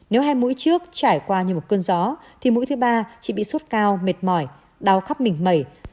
nếu hai mũi trước trải qua như một cơn gió thì mũi thứ ba chị bị sốt cao mệt mỏi đau khắp mình mẩy